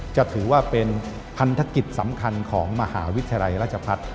จะถือว่าเป็นพันธกิจสำคัญของมหาวิทยาลัยราชพัฒน์